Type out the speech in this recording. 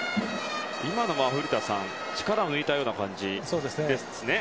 今のは古田さん力を抜いたような感じですね。